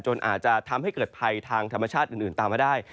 อาจจะทำให้เกิดภัยทางธรรมชาติอื่นตามมาได้